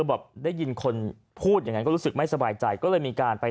แบบได้ยินคนพูดอย่างนั้นก็รู้สึกไม่สบายใจก็เลยมีการไป